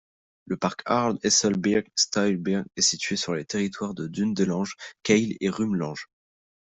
Le parc Haard-Hesselsbierg-Staebierg est situé sur les territoires de Dudelange, Kayl et Rumelange.